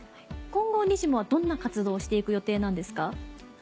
今後にじモはどんな活動をして行く予定なんですか？